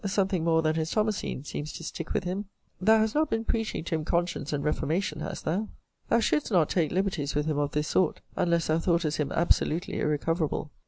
Something more than his Thomasine seems to stick with him. Thou hast not been preaching to him conscience and reformation, hast thou? Thou shouldest not take liberties with him of this sort, unless thou thoughtest him absolutely irrecoverable.